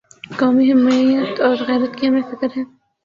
قومی حمیت اور غیرت کی ہمیں فکر ہے۔